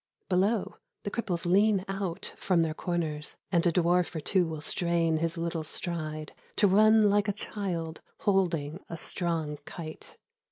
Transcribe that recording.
Below, the cripples lean out from their corners And a dwarf or two will strain his little stride To run like a child holding a strong kite.